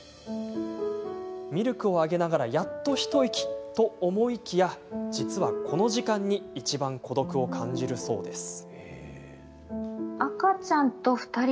ミルクをあげながら、やっと一息と思いきや実は、この時間にいちばん孤独を感じるそうです。